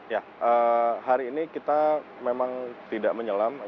ya hari ini kita memang tidak menyelam